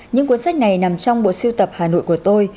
những cuốn sách này nằm trong bộ siêu tập hà nội của tôi